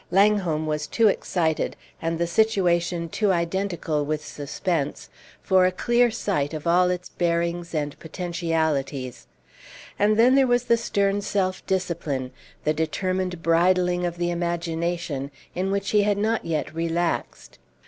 Langholm was too excited, and the situation too identical with suspense, for a clear sight of all its bearings and potentialities; and then there was the stern self discipline, the determined bridling of the imagination, in which he had not yet relaxed.